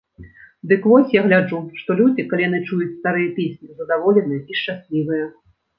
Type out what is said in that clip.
Дык вось, я гляджу, што людзі, калі яны чуюць старыя песні, задаволеныя і шчаслівыя.